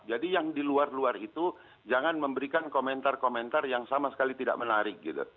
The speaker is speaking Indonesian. jadi yang di luar luar itu jangan memberikan komentar komentar yang sama sekali tidak menarik gitu